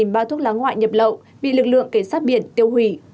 năm mươi bao thuốc lá ngoại nhập lậu bị lực lượng kể sát biển tiêu hủy